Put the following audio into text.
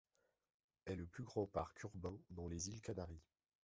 Est le plus grand parc urbain dans les îles Canaries.